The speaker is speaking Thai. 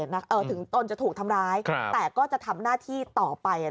ถึงตนจะถูกทำร้ายแต่ก็จะทำหน้าที่ต่อไป